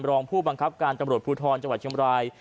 รองผู้บังคับการตำรวจภูทรจังหวัดเชียงบราย